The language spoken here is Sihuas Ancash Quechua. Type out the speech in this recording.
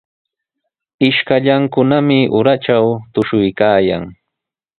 Ishkallankunami uratraw tushuykaayan.